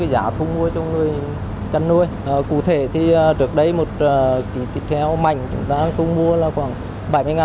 giá thu mua cho người chăn nuôi cụ thể thì trước đây một kg thịt heo mảnh chúng ta đã thu mua là khoảng